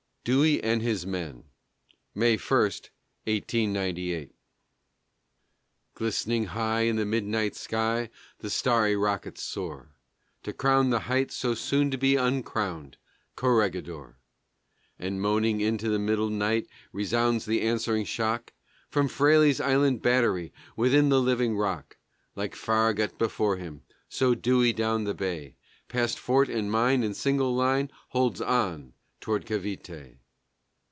DEWEY AND HIS MEN [May 1, 1898] Glistering high in the midnight sky the starry rockets soar To crown the height so soon to be uncrowned, Corregidor; And moaning into the middle night resounds the answering shock From Fraile's island battery within the living rock; Like Farragut before him, so Dewey down the bay, Past fort and mine, in single line, holds on toward Cavité.